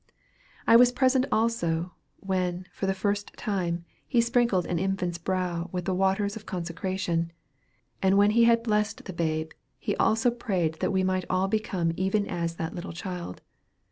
I was present also, when, for the first time, he sprinkled an infant's brow with the waters of consecration; and when he had blessed the babe, he also prayed that we might all become even as that little child.